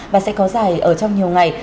và sẽ có dài ở trong nhiều ngày